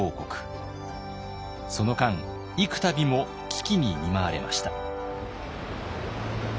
その間幾たびも危機に見舞われました。